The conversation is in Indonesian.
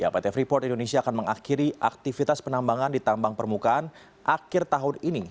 pt freeport indonesia akan mengakhiri aktivitas penambangan di tambang permukaan akhir tahun ini